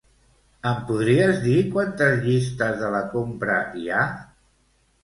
Em podries dir quantes llistes de la compra hi ha?